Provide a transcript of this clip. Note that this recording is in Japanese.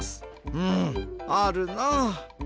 うんあるな。